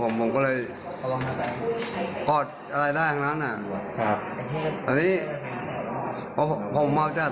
ผมก็เลยเอาไปห้าร้อยปลอดอะไรได้อันนั้นน่ะครับอันนี้เพราะผมมากจัด